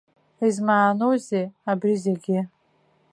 Измааноузеи абри зегьы?